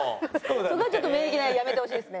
そこはちょっと免疫ないやめてほしいですね。